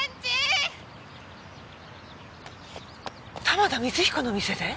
玉田光彦の店で？